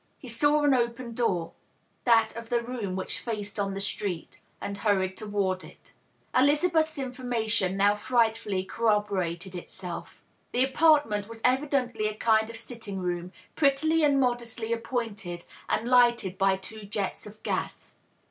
He saw an open door — that of the room which faced on the street — ^and hurried toward it. DO UOLAS D UANE. 535 Elizabetiti's information now frightfully corroborated itself. The apart ment was evidently a kind of sitting room, prettily and modestly ap pointed, and lighted by two jets of gas.